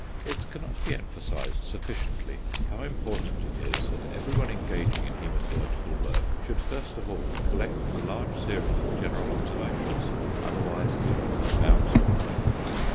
It cannot be emphasised sufficiently how important it is that everyone engaging in hæmatological work should first of all collect a large series of general observations; otherwise errors are bound to occur.